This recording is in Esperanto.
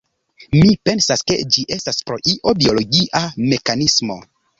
Mi pensas ke ĝi estas pro io biologia mekanismo